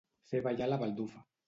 Fer ballar la baldufa.